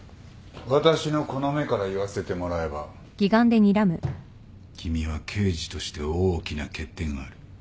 私のこの目から言わせてもらえば君は刑事として大きな欠点がある。